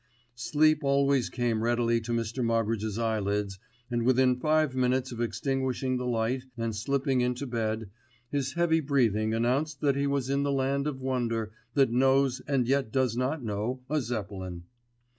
Sleep always came readily to Mr. Moggridge's eye lids, and within five minutes of extinguishing the light and slipping into bed, his heavy breathing announced that he was in the land of wonder that knows and yet does not know a Zeppelin.